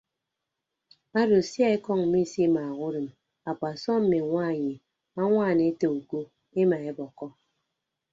Odo sia ekọñ misimaaha udịm akpasọm mme añwanyi ñwaan ete uko emaebọkkọ.